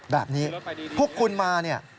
แบบนี้พวกคุณมาเนี่ย